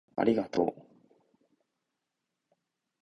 此处贡献的语句将被添加到采用许可证的公开数据集中。